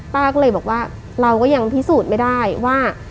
ป้าก็เลยบอกว่าเราก็ยังพิสูจน์ไม่ได้ว่า